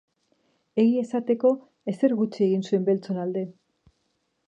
Egia esateko, ezer gutxi egin zuen beltzon alde.